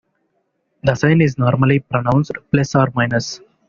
The sign is normally pronounced "plus or minus".